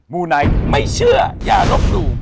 ูไนท์ไม่เชื่ออย่าลบหลู่